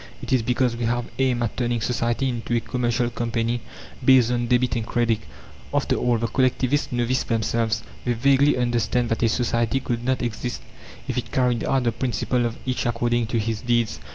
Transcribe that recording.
_ It is because we have aimed at turning society into a commercial company based on debit and credit. After all, the Collectivists know this themselves. They vaguely understand that a society could not exist if it carried out the principle of "Each according to his deeds."